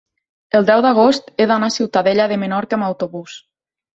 El deu d'agost he d'anar a Ciutadella de Menorca amb autobús.